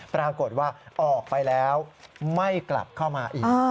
ปรากฏว่าออกไปแล้วไม่กลับเข้ามาอีก